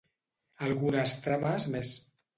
Algunes trames més.